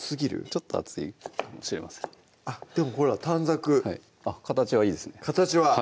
ちょっと厚いかもしれませんあっでもほら短冊あっ形はいいですね形は！